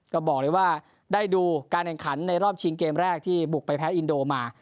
ก็บอกเลยว่าได้ดูการแข่งขันในรอบชิงเกมแรกที่บุกไปแพ้อินโดมา